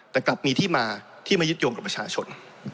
แต่กลับมีที่มาที่ไม่ยึดโยงกับประชาชน